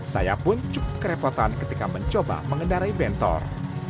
saya pun cukup kerepotan ketika mencoba mengendarai bentor